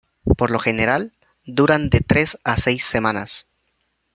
Por lo general, duran de tres a seis semanas.